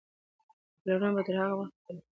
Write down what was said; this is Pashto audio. پلرونه به تر هغه وخته پورې د نجونو ښوونځي ته تګ څاري.